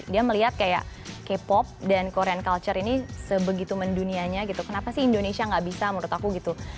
dia melihat kayak k pop dan korean culture ini sebegitu mendunianya gitu kenapa sih indonesia nggak bisa menurut aku gitu